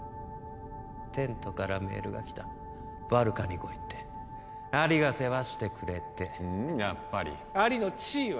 テントからメールが来たバルカに来いってアリが世話してくれてふんやっぱりアリの地位は？